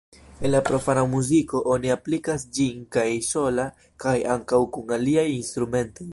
En la profana muziko oni aplikas ĝin kaj sola kaj ankaŭ kun aliaj instrumentoj.